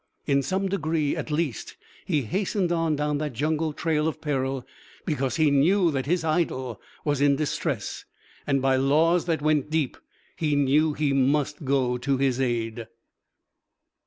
In some degree at least he hastened on down that jungle trail of peril because he knew that his idol was in distress, and by laws that went deep he knew he must go to his aid.